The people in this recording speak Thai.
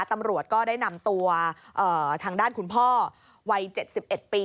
ตำรวจก็ได้นำตัวทางด้านคุณพ่อวัย๗๑ปี